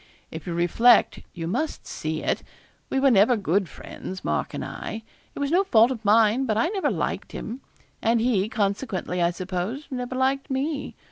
If you reflect you must see it. We were never good friends, Mark and I. It was no fault of mine, but I never liked him; and he, consequently, I suppose, never liked me.